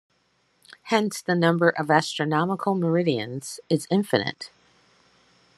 Hence, the number of astronomical meridians is infinite.